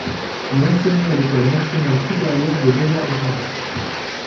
Il enseignait à l'École nationale supérieure des beaux-arts de Paris.